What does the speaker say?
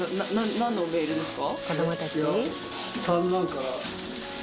何のメールですか？